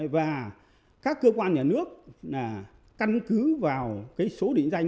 và các cơ quan nhà nước căn cứ vào số định danh cá nhân